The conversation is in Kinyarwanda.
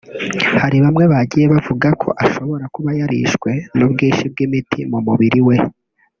Hari bamwe bagiye bavuga ko ashobora kuba yarishwe n’ubwinshi bw’imiti mu mubiri we